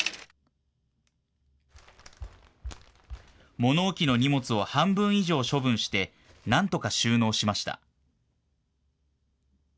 物置の荷物を半分以上、処分してなんとか収納しました。